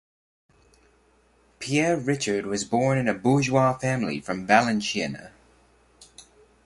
Pierre Richard was born in a Bourgeois family from Valenciennes.